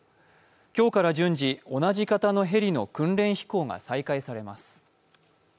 今日から順次、同じ型のヘリの訓練飛行が再開されます。